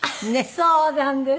そうなんです。